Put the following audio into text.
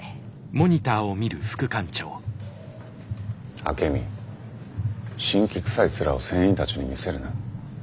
アケミ辛気くさい面を船員たちに見せるな。